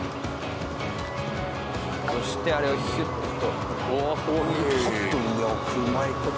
そしてあれをヒュッと。